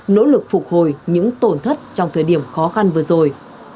nỗ lực phục hồi những tổn thất trong thời điểm khó khăn vừa rồi